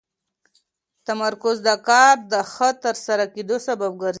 تمرکز د کار د ښه ترسره کېدو سبب ګرځي.